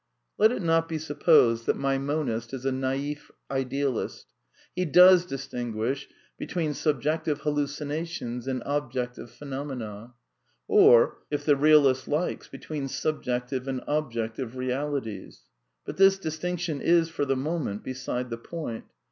Let it not be supposed that my monist is a "naif" idealist: he does distinguish between subjective halluci nations and objective phenomena ; or, if the realist likes, be tween subjective and objective realities. But this dis tinction is, for the momeiit, beside the point.